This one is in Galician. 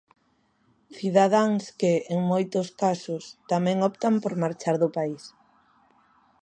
Cidadáns que, en moitos casos, tamén optan por marchar do país.